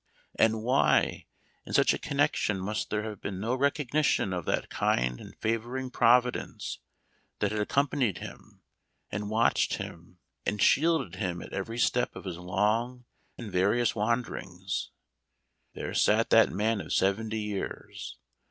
And why, in such a connection, must there be no recogni tion of that kind and favoring Providence that had accompanied him, and watched him, and shielded him at every step of his long and various wanderings ? There sat that man of seventy years.